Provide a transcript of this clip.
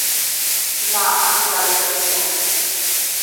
না, আমি বাড়ি যাচ্ছি না।